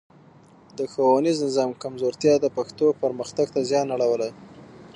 د ښوونیز نظام کمزورتیا د پښتو پرمختګ ته زیان اړولی.